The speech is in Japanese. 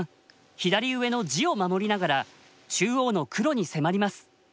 左上の地を守りながら中央の黒に迫ります。